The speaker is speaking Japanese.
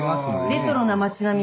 レトロな町並み。